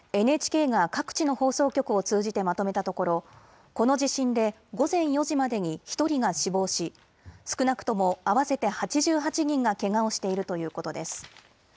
ＮＨＫが各地の放送局を通じてまとめたところこの地震で午前４時までに１人が死亡し少なくとも合わせて８８人がけがをしているということです。